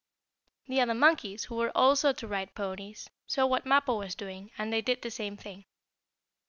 The other monkeys, who were also to ride ponies, saw what Mappo was doing, and they did the same thing.